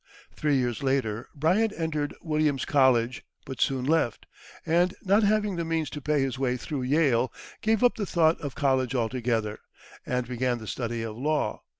Three years later, Bryant entered Williams College, but soon left, and, not having the means to pay his way through Yale, gave up the thought of college altogether, and began the study of law.